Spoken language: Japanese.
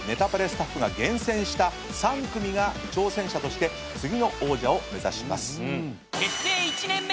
スタッフが厳選した３組が挑戦者として次の王者を目指します。